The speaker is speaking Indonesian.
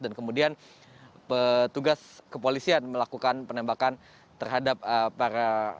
dan kemudian petugas kepolisian melakukan penembakan terhadap para